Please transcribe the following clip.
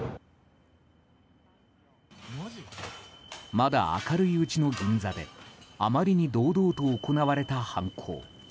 まだ明るいうちの銀座であまりに堂々と行われた犯行。